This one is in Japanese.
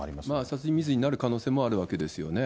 殺人未遂になる可能性もあるわけですよね。